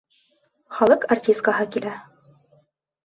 Халыҡ артисткаһы килә!